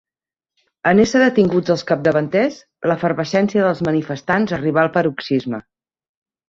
En ésser detinguts els capdavanters, l'efervescència dels manifestants arribà al paroxisme.